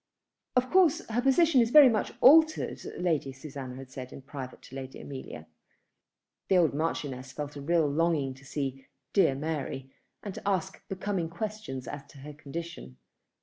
"Of course her position is very much altered," Lady Susanna had said in private to Lady Amelia. The old Marchioness felt a real longing to see "dear Mary," and to ask becoming questions as to her condition.